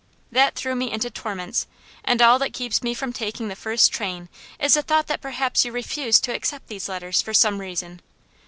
That threw me into torments, and all that keeps me from taking the first train is the thought that perhaps you refused to accept these letters, for some reason.